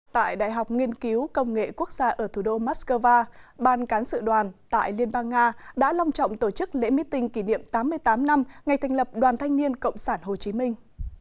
tại đại học nghiên cứu công nghệ quốc gia ở thủ đô moscow ban cán sự đoàn tại liên bang nga đã long trọng tổ chức lễ meeting kỷ niệm tám mươi tám năm ngày thành lập đoàn thanh niên cộng sản hồ chí minh